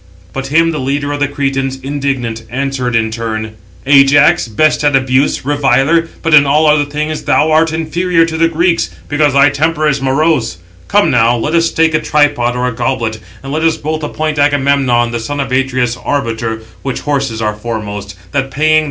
But him the leader of the Cretans, indignant, answered in turn: "Ajax, best at abuse, reviler, but in all other things thou art inferior to the Greeks, because thy temper is morose; come now, let us stake a tripod 757 or a goblet, and let us both appoint Agamemnon, the son of Atreus, arbiter, which horses are foremost; that paying, thou mayest learn."